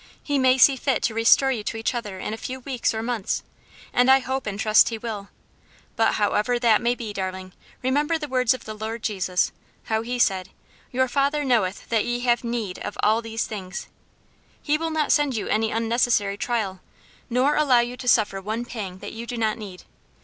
He may see fit to restore you to each other in a few weeks or months, and I hope and trust he will; but however that may be, darling, remember the words of the Lord Jesus, how he said, 'Your Father knoweth that ye have need of all these things.' He will not send you any unnecessary trial, nor allow you to suffer one pang that you do not need.